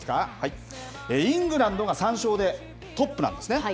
イングランドが３勝でトップなんですね。